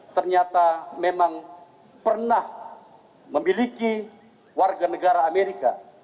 ternyata memang pernah memiliki warganegara amerika